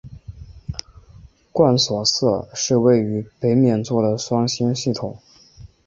贯索四是位于北冕座的双星系统。